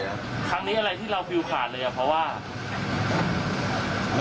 ครั้งนี้อะไรที่เราฟิลขาดเลยอ่ะเพราะว่า